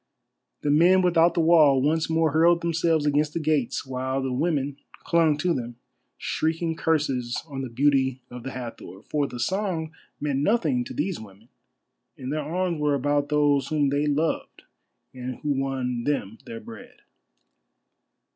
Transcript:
The men without the wall once more hurled themselves against the gates, while the women clung to them, shrieking curses on the beauty of the Hathor, for the song meant nothing to these women, and their arms were about those whom they loved and who won them their bread.